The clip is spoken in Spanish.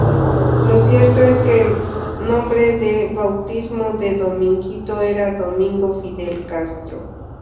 Lo cierto es que el nombre de bautismo de Dominguito era Domingo Fidel Castro.